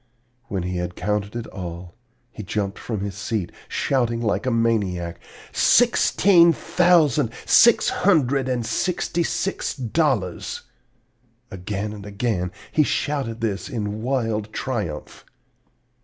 When he had counted all, he jumped from his seat, shouting like a maniac, 'Sixteen thousand, six hundred and sixty six dollars!' Again and again he shouted this in wild triumph.